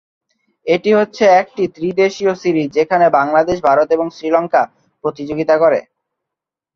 এটি হচ্ছে একটি ত্রিদেশীয় সিরিজ যেখানে বাংলাদেশ, ভারত এবং শ্রীলঙ্কা প্রতিযোগিতা করে।